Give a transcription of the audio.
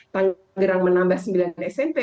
tangerang menambah sembilan smp